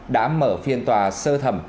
đã mở phiên tòa sơ thẩm